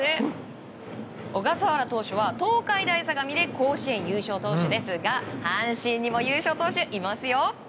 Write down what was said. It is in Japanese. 小笠原投手は東海大相模で甲子園優勝投手ですが阪神にも優勝投手がいますよ！